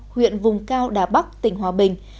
huyện vùng cao đà bắc tỉnh hòa bình